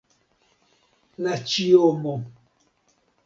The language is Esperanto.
La ĉiomo.